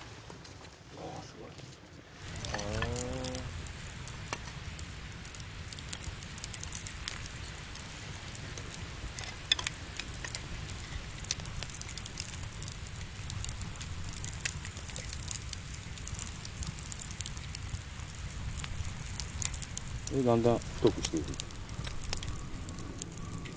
「へえ」でだんだん太くしていく。